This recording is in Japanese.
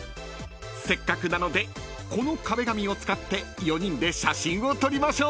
［せっかくなのでこの壁紙を使って４人で写真を撮りましょう］